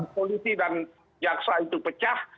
polisi dan jaksa itu pecah